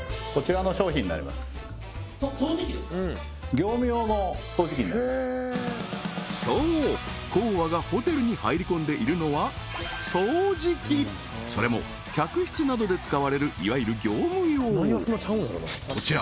一体そうコーワがホテルに入り込んでいるのは掃除機それも客室などで使われるいわゆる業務用こちら